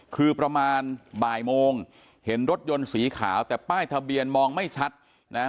คือประมาณบ่ายโมงเห็นรถยนต์สีขาวแต่ป้ายทะเบียนมองไม่ชัดนะ